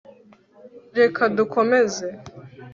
Reka dukomeze